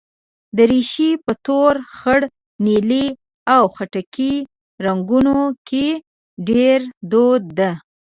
دریشي په تور، خړ، نیلي او خټکي رنګونو کې ډېره دود ده.